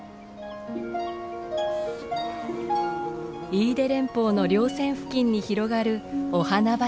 飯豊連峰の稜線付近に広がるお花畑。